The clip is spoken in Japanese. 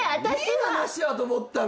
いい話だと思ったのに！